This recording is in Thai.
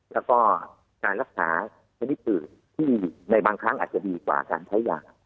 แล้วก็การรักษาชนิดอื่นที่ในบางครั้งอาจจะดีกว่าการใช้ยา